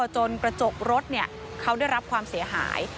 จนกระจกรถเขาได้รับความเสียหาย